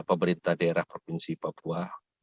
pemerintah daerah provinsi papua